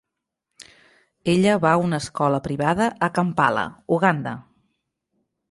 Ella va a una escola privada a Kampala, Uganda.